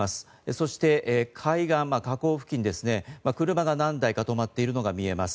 そして海岸、河口付近に車が何台か停まっているのが見えます。